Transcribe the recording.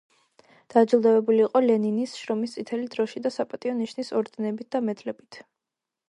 დაჯილდოვებული იყო ლენინის, შრომის წითელი დროში და საპატიო ნიშნის ორდენებით და მედლებით.